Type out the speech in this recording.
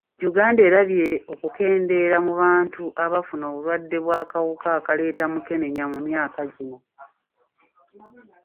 Uganda erabye okukendeera mu bantu abafuna obulwadde bw'akawuka akaleeta mukenenya mu myaka gino..